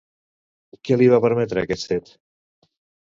Què li va permetre aquest fet?